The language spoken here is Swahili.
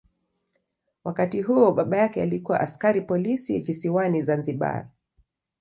Wakati huo baba yake alikuwa askari polisi visiwani Zanzibar.